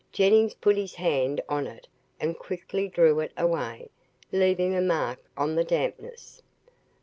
Jennings put his hand on it and quickly drew it away, leaving a mark on the dampness.